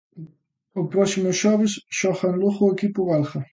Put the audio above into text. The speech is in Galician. O próximo xoves xoga en Lugo o equipo belga.